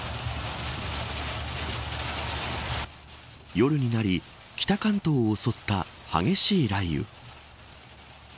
夜になり北関東を襲った激しい雷雨。